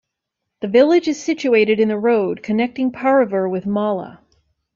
The village is situated in the road connecting Paravur with Mala.